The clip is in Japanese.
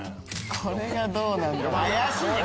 これがどうなんだ？